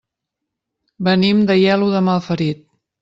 Venim d'Aielo de Malferit.